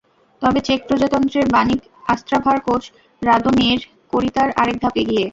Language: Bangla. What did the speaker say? তবে চেক প্রজাতন্ত্রের বানিক অস্ত্রাভার কোচ রাদোমির কোরিতার আরেক ধাপ এগিয়ে।